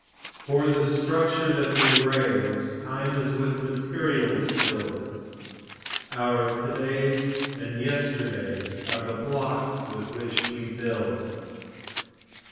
For the structure that we raise, Time is with materials filled; Our to days and yesterdays Are the blocks with which we build.